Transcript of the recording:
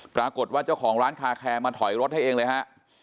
ปรากฏว่าเจ้าของร้านคาแคร์มาถอยรถให้เองเลยฮะ